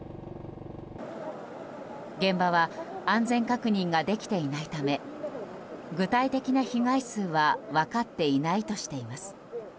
現場は安全確認ができていないため具体的な被害数は分かっていないとしています。